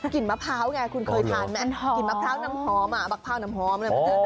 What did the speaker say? มะพร้าวไงคุณเคยทานไหมกลิ่นมะพร้าวน้ำหอมอ่ะมะพร้าวน้ำหอมอะไร